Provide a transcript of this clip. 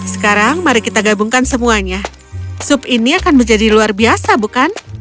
sekarang mari kita gabungkan semuanya sup ini akan menjadi luar biasa bukan